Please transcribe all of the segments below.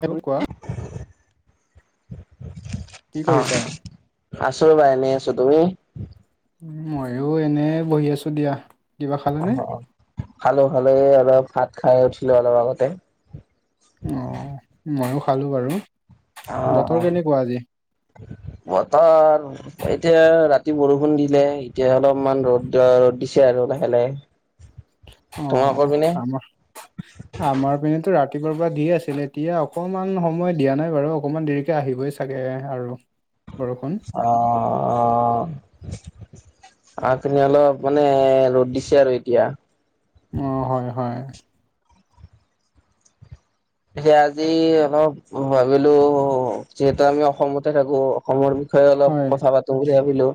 Time অ কোৱা। কি অ কৰিছা? আছো ৰ'বা এনে আছো। তুমি? ময়ো এনে বহি আছো দিয়া। কিবা অ খালানে? খালো, খালো। অলপ ভাত খাই উঠিলো অলপ আগতে। অ মইও খালো বাৰু। অ, বতৰ কেনেকুৱা আজি? অ। বতৰ এতিয়া ৰাতি বৰষুণ দিলে। এতিয়া অলপমান ৰ'দ ৰ'দ দিছে আৰু লাহে লাহে। [inaudible] অ তোমালোকৰ পিনে আমাৰ আমাৰ পিনেতো ৰাতিপুৱাৰ পৰা দিয়ে আছিল। এতিয়া অকনমান সময় দিয়া নাই বাৰু। অকনমান দেৰিকে আহিবই চা গে আৰু বৰষুণ। অ, অ, অ, অ। আ পিনে অলপ মানে ৰ'দ দিছে আৰু এতিয়া। অ হয়, হয়। এতিয়া আজি অলপ ভাবিলো যিহেতু আমি অসমতে থাকো। অসমৰ বিষয়ে অলপ হয় কথা পাতো বুলি ভাবিলো।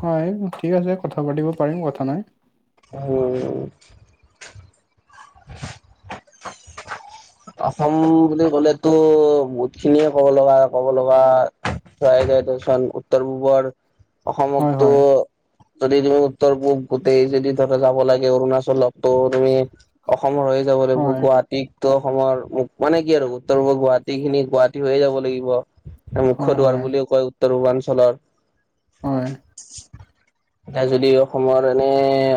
হয় ঠিক আছে কথা পাতিব পাৰিম কথা নাই। অ [unintelligible] [inaudible] অসম বুলি ক'লে টো বহুত খিনিয়ে ক'ব লগা ক'ব লগা [unintelligible] উত্তৰ পূবৰ। হয় অসমকটো হয় যদি তুমি উত্তৰ পূব গোটেই যদি ধৰা যাব লাগে, অৰুণাচলতটো তুমি অসমৰ হৈয়ে যাব লাগিব। হয় গুৱাহাটীতটো অসমৰ ম মানে কি আৰু উত্তৰ-পূবৰ গুৱাহাটীখিনি গুৱাহাটী হৈয়ে যাব লাগিব। হয় মুখ্য দুৱাৰ হয় বুলিও কয় উত্তৰ পূৰ্বাঞ্চলৰ। হয় এয়া যদি অসমৰ এনে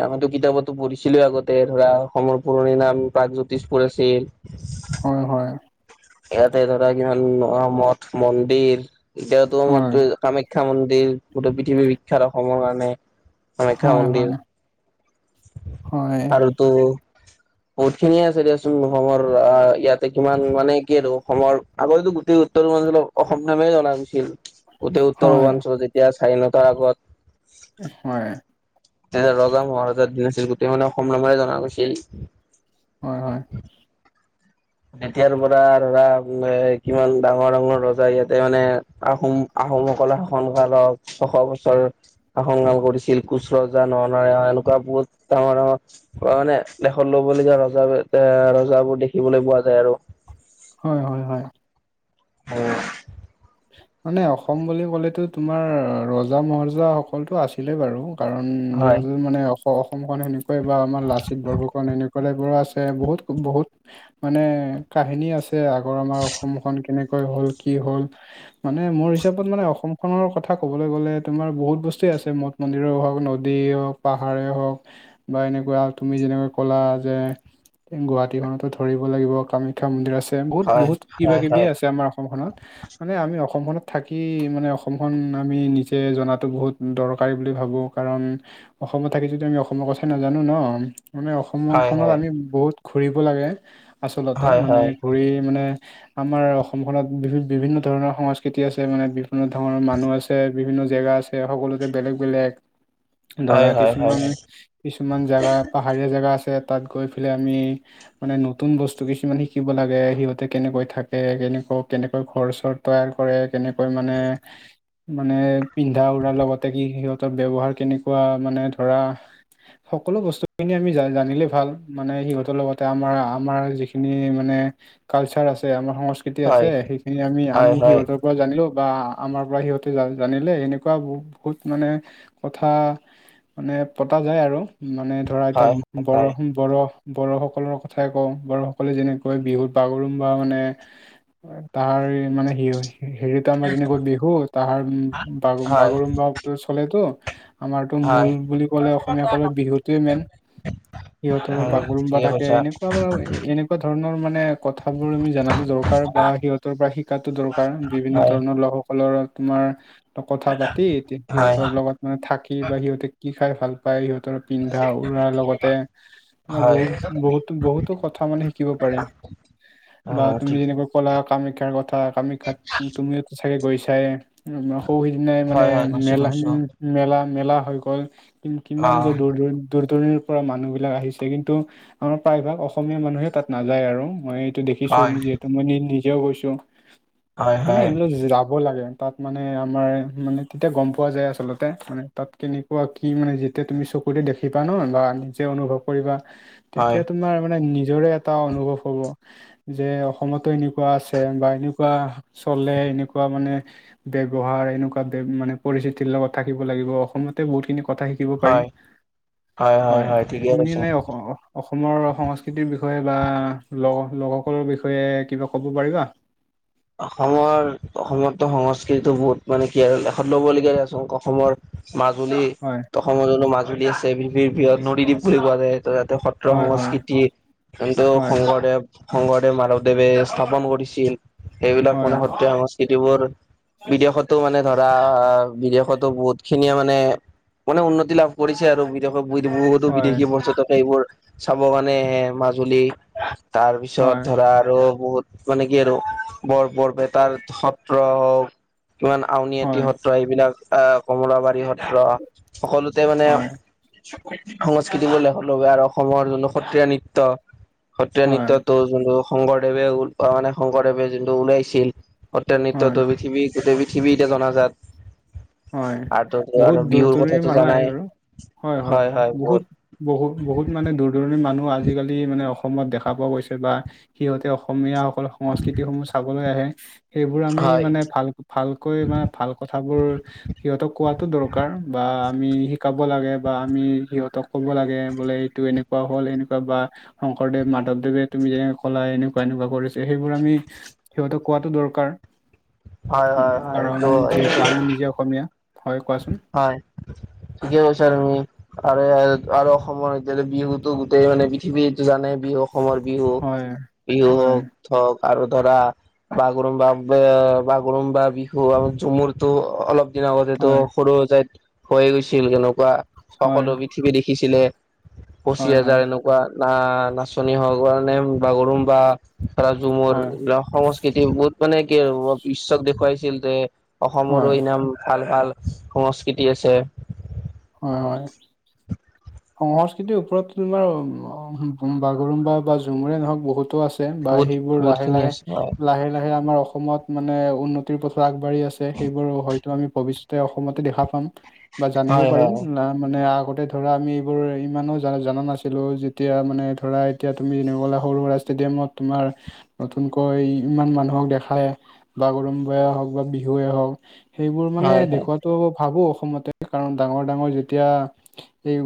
আমিতো কিতাপতো পঢ়িছিলো আগতে ধৰা অসমৰ পুৰণি নাম প্ৰাগজ্যোতিষপুৰ আছিল। হয়, হয়। ইয়াতে ধৰা কিমান আ মঠ, মন্দিৰ এতিয়াতো হয় মাত্ৰ কাম মাখ্যা মন্দিৰ গোটেই পৃথিৱীৰ বিখ্যাত অসমৰ কাৰণে, কামাখ্যা হয় হয় মন্দিৰ। হয় হয়। ত বহুত খিনিয়ে আছে দিয়াচোন অসমৰ আহ ইয়াতে কিমান মানে কি আৰু অসমৰ আগতে গোটেই [unintelligible] অসম নামেৰে জনা গৈছিল গোটেই হয় উত্তৰ হয় পূৰ্বাঞ্চলত। যেতিয়া স্বাধীনতাৰ আগত হয়। তেনে ৰজা-মহাৰজাৰ দিন আছিল। গোটেই মানে অসম নামেৰেই জনা গৈছিল। হয়, হয়। এতিয়াৰ পৰা ধৰা, কিমান ডাঙৰ -ডাঙৰ ৰজা ইয়াতে, মানে আহোম, আহোমসকলে শাসন কৰা [unintelligible] ছশ বছৰ। আশংকা কৰিছিল কোচ ৰজা নৰনাৰায়ণ এনেকুৱা বহুত ডাঙৰ ডাঙৰ মানে লেখত ল'বলগীয়া ৰজা এ ৰজাবোৰ দেখিবলৈ পোৱা যায় আৰু হয়, হয়, হয়। [unintelligible] মানে, অসম বুলি ক'লেতো, তোমাৰ ৰজা- মহাৰজা সকলতো আছিলে বাৰু। কাৰণ, সিহঁতৰ মানে, অসমখন সেনেকুৱাই। বা আমাৰ লাচিত বৰফুকন [unintelligible] বোৰো আছে, বহুত, বহুত! মানে, কাহিনী আছে। আগৰ, আমাৰ অসমখন কেনেকৈ হ'ল, কি হ'ল? মানে, মোৰ হিচাপত মানে, অসম খনৰ কথা ক'বলৈ গ'লে, তোমাৰ বহুত বস্তুৱে আছে। ম মন্দিৰে হওঁক, নদীয়ে হওঁক, পাহাৰে হওঁক। বা এনেকুৱা, তুমি যেনেকৈ ক'লা যে, গুৱাহাটীখনতো ধৰিব লাগিব। [unintelligible] শিক্ষা মন্দিৰ আছে। বহুত, হয় বহুত, কিবা হয় হয় কিবিয়ে আছে, আমাৰ অসমখনত। মানে, আমি অসমখনত থাকি, মানে অসমখন আমি, নিজে জনাতো, বহুত দৰকাৰী বুলি ভাবোঁ। কাৰণ, অসমত থাকি যদি, আমি অসমৰ কথা নাজানো ন'! মানে, হয় অসমখনত, আমি বহুত ঘূৰিব লাগে, আচলতে হয় হয় মানে, হয় হয় ঘূৰি মানে, আমাৰ অসমখনত বি, বিভিন্ন ধৰণৰ সংস্কৃতি আছে। মানে, বিভিন্ন ধৰণৰ মানুহ আছে, বিভিন্ন জেগা আছে, সকলোতে বেলেগ- বেলেগ [inaudible] ধৰা, হয় হয় হয় কিছুমান, কিছুমান জেগা, পাহাৰীয়া জেগা আছে, তাত গৈ পেলাই, আমি মানে, নতুন বস্তু কিছুমান শিকিব লাগে। সিহঁতে কেনেকৈ থাকে, কেনেকা, কেনেকৈ ঘৰ-চৰ তৈয়াৰ কৰে, কেনেকৈ মানে মানে, পিন্ধা -উৰা লগতে, কি, সিহঁতৰ ব্যৱহাৰ কেনেকুৱা মানে, ধৰা সকলো বস্তুখিনি আমি জানিলেই ভাল। মানে, সিহঁতৰ লগতে, আমাৰ, আমাৰ যিখিনি মানে, কালচাৰ আছে। আমাৰ সংস্কৃতি আছে, হয় হয় সেইখিনি আমি, হয় আমি তই জানিলেওঁ বা, আমাৰ পৰা সিহঁতে জানিলে, এনেকুৱা বহুত মানে কথা মানে, পতা যায় আৰু। মানে, ধৰা এতিয়া, হয় হয় বৰষুণ বড়ো, বড়োসকলৰ কথাই কওঁ, বড়োসকলে যেনেকৈ, বিহুত বাগৰুম্বা মানে তাৰে মানে সেই হয়, হেৰিতো আমাৰ যেনেকৈ, বিহু। তাৰ বা, হয় উম বাগৰুম্বাটো চলেতো। ঠিকে কৈছা আমাৰতো, মূল বুলি ক'লে, অসমীয়াসকলৰ বিহুটোৱে মেইন। সিহঁতৰ বাগৰুম্বা থাকে, এনেকুৱা বাৰু এনে তেনেকুৱা ধৰণৰ মানে, কথাবোৰ আমি জানাতোঁ দৰকাৰ বা সিহঁতৰ পৰা, শিকাতোঁ দৰকাৰ। বিভিন্ন হয় ধৰণৰ লোকসকলৰ তোমাৰ, কথা পাতি, এতিয়া হয় সিহঁতৰ লগত মানে, থাকি বা সিহঁতে কি খাই ভাল পায়? সিহঁতৰ পিন্ধা -উৰাৰ লগতে তোমাৰ হয় বহুত, বহুত, বহুতো কথা মানে, শিকিব পাৰি। বা উম তুমি ঠিক যেনেকৈ ক'লা! কামাখ্যাৰ কথা, কামাখ্যাত তুমি চাগে গৈছাই? সৌ সিদিনাই মানে, হয় হয় গৈছো মেলা, গৈছো মেলা- মেলা হৈ গ'ল। কিন্তু, কিমান অ যে দূৰ- দূৰ দূৰ -দূৰণিৰ পৰা মানুহ বিলাক আহিছে। কিন্তু, আমাৰ প্ৰায়ভাগ, অসমীয়া মানুহে তাত নাযায়। আৰু মই দেখিছোঁ! হয়, যিহেতু, মই নি, নিজেও গৈছোঁ। হয়, মানে, হয়, এইবিলাক যাব লাগে। তাত মানে, আমাৰ মানে, তেতিয়া গম পোৱা যায় আচলতে। মানে, তাত কেনেকুৱা কি মানে, যেতিয়া তুমি চকুৰে দেখিবা ন'! বা নিজে অনুভৱ কৰিবা! হয়, তেতিয়া, তোমাৰ মানে, নিজৰে এটা অনুভৱ হ'ব! যে, অসমতো এনেকুৱা আছে। বা এনেকুৱা চলে। এনেকুৱা মানে ব্যৱহাৰ, এনেকুৱা মানে, পৰিস্থিতিৰ লগত থাকিব লাগিব। অসমতে বহুতখিনি কথা শিকিব হয়, পাৰিম। হয়! তুমি এনে, অস অসমৰ সংস্কৃতিৰ বিষয়ে বা ল লোকসকলৰ বিষয়ে কিবা ক'ব পাৰিবা? অসমৰ অসমতো সংস্কৃতিতটো বহুত মানে কি আৰু দেষত ল'বলগীয়া আচ অসমৰ মাজুলী হয় অসমত জো মাজুলী আছে, বিত বিহৎ নদীদ্বীপ বুলি কোৱা যায়, তাতে স প্ৰ হয় হয় সংস্কৃতি কিন্তু হয় শংকৰদেৱ শংকৰদেৱ, মাধৱদেৱে স্থাপন কৰিছিল। সেইবিলাক মানে, হয় সত্ৰিয়া সং [unintelligible] বিদেশতো মানে ধৰা, বিদেশতো বহুত খিনিয়ে মানে, মানে উন্নতি লাভ কৰিছে আৰু। বিদেশত, বহুতো হয় বিদেশী পৰ্যটকে এইবোৰ চাব কাৰণে, মাজুলী। তাৰপিছত, হয় ধৰা আৰু বহুত মানে কি আৰু বৰ বৰপেটাৰ সত্ৰ হওক, কিমান আউনী আটি হয় সত্ৰ এইবিলাক আহ কমলাবাৰী সত্ৰ, সকলোতে মানে হয় সংস্কৃতি বুলিলে লেখত ল'বলগীয়া আৰু অসমৰ যোন সত্ৰীয়া নৃত্যয়। সত্ৰীয়া হয় নৃত্যতো যোনটো শংকৰদেৱে ওলো মানে শংকৰদেৱে যোনটো ওলাইছিল। সত্যা হয় নৃত্যটো পৃথিৱী গোটেই পৃথিৱী এতিয়া জনাজাত। হয় আৰু আৰু বহুত বিহুৰ দূৰ-দূৰিণ কথাটো মানুহ আহে জানাই বাৰু হয়, হয়, হয় বহুত বহুত-বহুত মানে দূৰ-দূৰণি মানুহ আজিকালি মানে অসমত দেখা পোৱা গৈছে বা সিহঁতে অসমীয়া সকল সংস্কৃতি সমূহ চাবলৈ আহে, সেইবোৰ আমি হয় মানে ভাল ভালকৈ মানে ভাল কথাবোৰ সিহঁতক কোৱাতো দৰকাৰ বা আমি শিকাব লাগে বা আমি সিহঁতক ক'ব লাগে বোলে এইটো এনেকুৱা হ'ল, এনেকুৱা বা শংকৰদেৱ, মাধৱদেৱে তুমি যেনেক কলা এনেকুৱা-এনেকুৱা কৰিছে, সেইবোৰ আমি সিহঁতো কোৱাাতটো দৰকাৰ, হয় হয় হয় কাৰণ এইটো হয় যিহেতু আমি নিজে অসমীয়া। হয় কোৱাচোন? হয় ঠিকেই কৈছা তুমি আৰে আৰু অসমৰ এতিয়া বিহুতো গোটেই মানে পৃথিৱী এইটো জানে বিহু অসমৰ বিহু, হয় বিহু হয় হওক-হওক আৰু ধৰা বাগৰুম্বা বে বাগৰুম্বা, বিহু আম ঝুমুৰতো অলপ দিন আগতেতো হয় সৰু যাইত হৈয়ে গৈছিল, কেনেকুৱা হয় সকলো পৃথিৱী দেখিছিলে, পচি হয় হয় হাজাৰ এনেকুৱা না নাচনী হোৱাৰ কাৰণে বাগৰুম্বা বা ঝুমুৰ হয় সংস্কৃতি বহুত মানে কি, বিশঈ্বক দেখুৱাইছিল যে অসমৰো হয়, ইনাম ভাল-ভাল সংস্কৃতি আছে হয়, হয়। [unintelligible] সংস্কৃতিৰ ওপৰতো তোমাৰ বাগৰুম্বা বা ঝুমুৰে নহওক, বহুতো আছে। বা বহুত সেইবোৰ বহুত লাহে খিনি লাহে-লাহে, আছে লাহে লাহে আমাৰ অসমত মানে উন্নতিৰ পথো আগবাঢ়ি আছে। সেইবোৰ হয়তো আমি ভৱিষ্য তে অসমতে দেখা পাম বা জানিব হয় হয় তাৰ মানে আগতে ধৰা আমি এইবোৰ ইমানো জ জনা নাছিলো যেতিয়া মানে ধৰা এতিয়া তুমি যেনেকুৱ গ'লা সৰু-সুৰা ষ্টোডিয়ামত তোমাৰ নতুনকৈ ইমান মানুহক দেখায় বাগৰুম্বা বা হওক বা বিহুৱে হওক সেইবোৰ মানে হয় হয় দেখুৱাতটো ভাবো অসমতে কাৰণ ডাঙৰ-ডাঙৰ যেতিয়া এই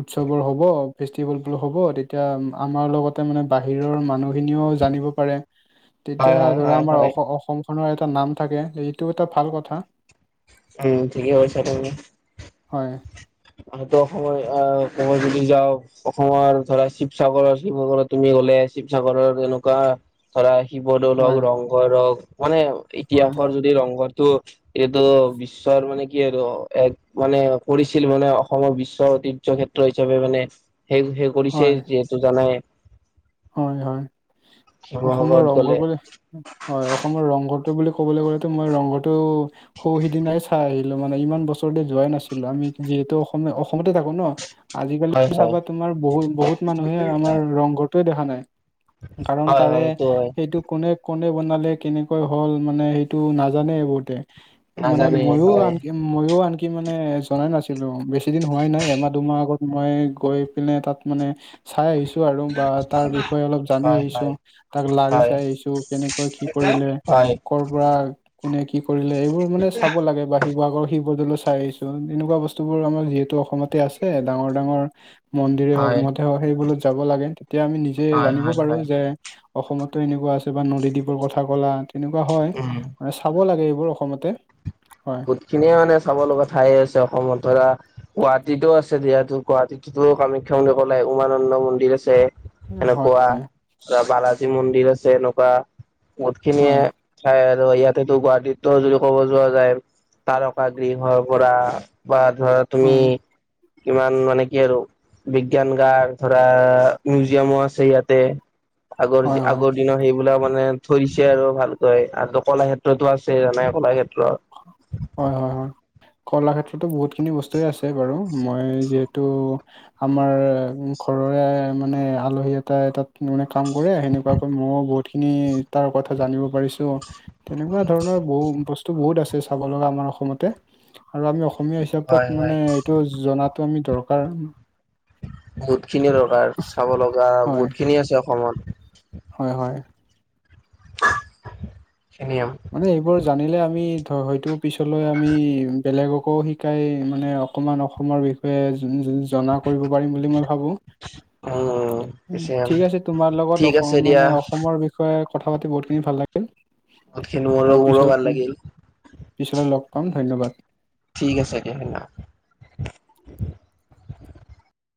উৎসৱবোৰ হ'ব, ফেষ্টিভেল বোৰ হ'ব, তেতিয়া আমাৰ লগত ত মানে বাহিৰৰ মানুহখিনিও জানিব পাৰে। [unintelligible] তেতিয়া হয় হয় ধৰা হয় আমাৰ হয় অসমখনৰ এটা নাম থাকে, এইটো এটা ভাল কথা। উম ঠিকেই কছা তুমি। হয়। আহতো সময় আহ সময় যদি যাওঁ অসমৰ ধৰা শিৱসাগৰৰ শিৱসাগৰত তুমি গ'লে, শিৱসাগৰৰ এনেকুৱা ধৰা শিৱদৌল হওক, হয় ৰংঘৰ হওক মানে হয় ইতিহাসৰ যদি ৰংঘ ত এইটো বিশ্বৰ মানে কি আৰু এক মানে পৰি ছিল মানে অসমৰ বিশ্ব ঐতিহ্য ক্ষেত্ৰ হিচাপে মানে সেই-সেই হয় কৰিছেই যিহেতু জানাই। হয়, হয়, অসমৰ শিৱসাগৰত ৰংঘৰ গ'লে বুলি হয়, অসমৰ ৰংঘৰটো বুলি ক'বলৈ গ'লেতো মই ৰংঘৰটো সৌ সিদিনাই চাই আহিলোঁ মানে ইমান বছৰতে যোৱাই নাছিলোঁ আমি যিহেতু অসম অসমতে থাকোঁ ন? আজিকালি হয় হয় চাবা তোমাৰ বহুত-বহুত মানুহে আমাৰ ৰংঘৰ দেখা নাই, কাৰণ হয় তাৰে হয় সেইটো হয় এইটো কোনে-কোনে বনালে কেনেকৈ হল, মানে সেইটো নাজানে বহুতে মানে নাজানে মইয়ো হয় আন কি ময়ো আনকি মানে জনাই নাছিলোঁ, বেছিদিন হোৱাই নাই এমাহ দুমাহ আগত মই গৈ পিনে তাত মানে চাই আহিছো আৰু বা হয় তাৰ বিষয়ে অলপ জানি হয় আহিছো হয় তাক লাৰি হয় চাই আহিছো কেনেকৈ কি কৰিলে হয় কৰ পৰা কোনে কি কৰিলে এইবোৰ মানে চাব লাগে বা শিৱসাগৰ শিৱদলো চাই আহছো, তেনেকুৱা বস্তুব আমাৰ যিহেতু ত অসমতে আছে, ডাঙৰ-ডাঙৰ মন্দিৰে হওক, হয় মধে হওক সেইবোলোত যাব লাগে। তেতিয়া আমি নিজে জানিব হয় পাৰো হয় যে অসমতো এনেকুৱা আছে বা নদীদ্বীপৰ কথা কলা, তেনেকুৱা হয়। উম মানে চাব লাগে এইবোৰ অসমতে, হয়। এইখিনিয়ে মানে চাব লগা ঠাই আছে অসমত ধৰা গুৱাহাটীতো আছে দিয়ো, গুৱাহাটীতো কামাখ্যা মন্দিৰ কলে, উমানন্দ মন্দিৰ আছে। হয়, হয়, সেনেকুৱা, ৰাবা ৰাজীৱ মন্দিৰ আছে এনেকুৱা, বহুতখিনিয়ে হয়, ঠাই আৰু ইয়াতেতো গুৱাহাটীতো যদি ক'ব যোৱা যায় তাৰকা গৃহৰ পৰা, বা ধৰা তুমি হয়, কিমান মানে কি আৰু বিজ্ঞান গাৰ ধৰা মিউজিয়ামো আছে ইয়াতে। হয়, আগৰ-আগৰ দিনৰ সেই বোলা মানে থৈ দিছে আৰু ভালকৈ আ কলাক্ষেত্ৰতো আছে জানে কলাক্ষেত্ৰত। হয়, হয়, হয়, কলা ক্ষেত্ৰতো বহুতখিনি বস্তুৱে আছে বাৰু মই যিহেতু আমাৰ ঘৰৰে মানে আলহী এটাই তাত কিনো মানে কাম কৰে সেনেকুৱাকৈ মইয়ো বহুতখিনি তাৰ কথা জানিব পাৰিছো, তেনেকুৱা ধৰণৰ বহুত বস্তু বহুত আছে চাব লগা আমাৰ অসমতে। আৰু আমি অসমীয়া হয় হিচাপত হয়। মানে এইটো জাতটো আমি দৰকাৰ। বহুত খিনি দৰকাৰ চাব লগা হয়, বহুত খিনি আছে অসমত। হয়, হয়। খিনিয়ম মানে এইবোৰ জানিলে আমি ধৰ হয়তো পিছলৈ আমি বেলেগকো শিকাই মানে অকমান অসমৰ বিষয়ে জুন-জুন জনা কৰিব পাৰিম বুলি মই ভাবো। উম পিছে ঠিক আছে তোমাৰ লগত ঠিক আছে অসম দিয়া। মানে অসমৰ বি ষয়ে কথা পাতি বহুতখিনি ভাল লাগিল। বহুতখিনি মো [unintelligible] আৰু পিছত পিছলে লগ পাম ধন্যবাদ। ঠিক আছে দিয়া